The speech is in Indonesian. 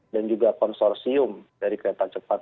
juga konsorsium dari kereta cepat